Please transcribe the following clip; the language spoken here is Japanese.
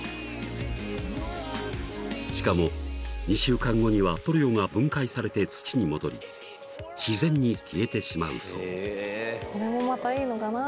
［しかも２週間後には塗料が分解されて土に戻り自然に消えてしまうそう］